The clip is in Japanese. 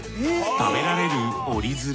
食べられる折り鶴。